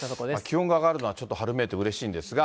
気温が上がるのはちょっと春めいてうれしいんですが。